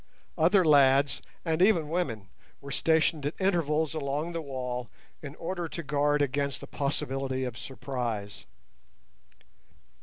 Other lads and even women were stationed at intervals along the wall in order to guard against the possibility of surprise.